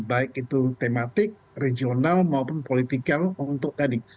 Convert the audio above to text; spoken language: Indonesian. baik itu tematik regional maupun politikal untuk tadi